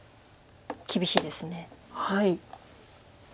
厳しいです。